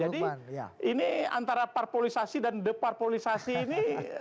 jadi ini antara parpolisasi dan deparpolisasi ini